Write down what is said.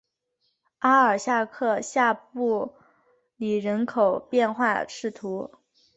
阿尔夏克下布里人口变化图示